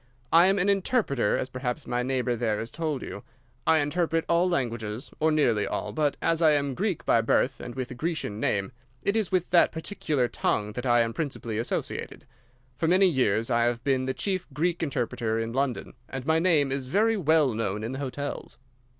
I am an interpreter, as perhaps my neighbour there has told you. I interpret all languages—or nearly all—but as I am a Greek by birth and with a Grecian name, it is with that particular tongue that I am principally associated. For many years I have been the chief Greek interpreter in London, and my name is very well known in the hotels.